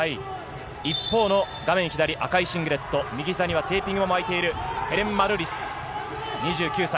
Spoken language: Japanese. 一方の赤いシングレット、右膝にテーピングを巻いているヘレン・マルーリス、２９歳。